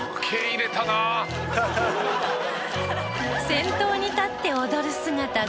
先頭に立って踊る姿が。